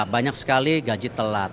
banyak sekali gaji telat